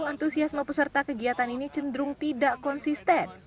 antusiasme peserta kegiatan ini cenderung tidak konsisten